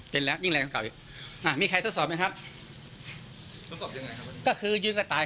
เต้นแล้วยิ่งแรงกลับออกสิ